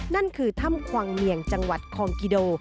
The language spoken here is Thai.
นั่นคือถ้ำควังเมียงจังหวัดคองกิโด